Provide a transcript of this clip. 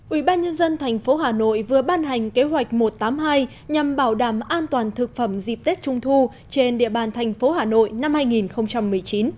ủy ban nhân dân thành phố hà nội vừa ban hành kế hoạch một trăm tám mươi hai nhằm bảo đảm an toàn thực phẩm dịp tết trung thu trên địa bàn thành phố hà nội năm hai nghìn một mươi chín